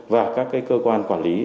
và các cơ quan quản lý